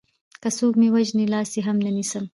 که څوک مې وژني لاس يې هم نه نيسم